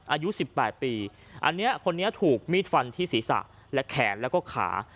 อายุ๑๘ปีอันนี้คนนี้ถูกมีดฟันที่ศีรษะและแขนแล้วก็ขา